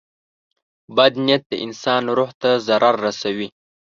• بد نیت د انسان روح ته ضرر رسوي.